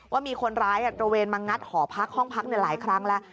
ว่ามีคนร้ายตระเวนมางัดหอพักห้องพักหลายครั้งแล้ว